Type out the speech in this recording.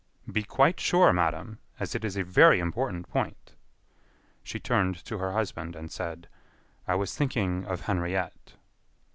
"Be quite sure, madam, as it is a very important point." She turned to her husband, and said: "I was thinking of Henriette."